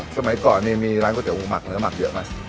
สมัยก่อนมีร้านก๋วยเตี๋ยวหมูหมักหรือหมักเยอะไหม